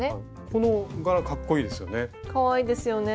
この柄かっこいいですよね。